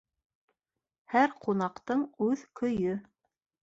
Һәр ҡунаҡтың үҙ көйө.